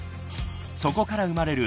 ［そこから生まれる］